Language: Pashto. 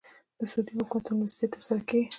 د سعودي حکومت په مېلمستیا تر سره کېږي.